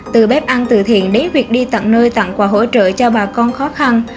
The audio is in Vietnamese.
từ bếp ăn từ thiện đến việc đi tặng nơi tặng quà hỗ trợ cho bà con khó khăn